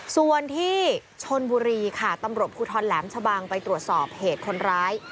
ส่วนที่ชนบุรีค่ะตำรวจภูทรแหลมชะบังไปตรวจสอบเหตุคนร้าย